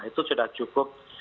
itu sudah cukup